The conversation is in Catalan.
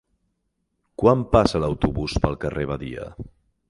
Quan passa l'autobús pel carrer Badia?